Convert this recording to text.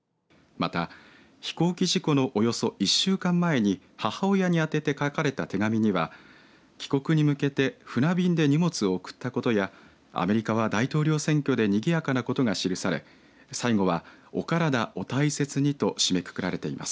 また飛行機事故のおよそ１週間前に母親に宛てて書かれた手紙には帰国に向けて船便で荷物を送ったことやアメリカは大統領選挙でにぎやかなことが記され最後は、お体、大切にと締めくくられています。